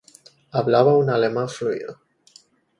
Hablaba un alemán fluido.